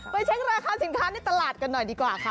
เช็คราคาสินค้าในตลาดกันหน่อยดีกว่าค่ะ